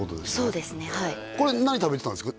そうですねはいこれ何食べてたんですか？